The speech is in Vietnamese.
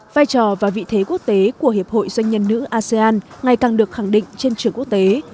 vai trò và vị thế quốc tế của hiệp hội doanh nhân nữ asean ngày càng được khẳng định trên trường quốc tế